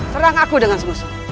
serang aku dengan semuanya